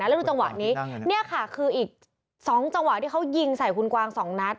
แล้วดูจังหวะนี้นี่ค่ะคืออีก๒จังหวะที่เขายิงใส่คุณกวาง๒นัด